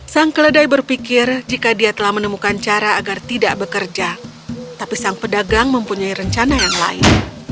sang keledai berpikir jika dia telah menemukan cara agar tidak bekerja tapi sang pedagang mempunyai rencana yang lain